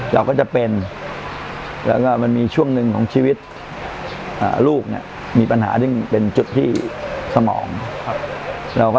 เราก็จะเป็นแล้วก็มันมีช่วงหนึ่งของชีวิตลูกเนี่ยมีปัญหาซึ่งเป็นจุดที่สมอง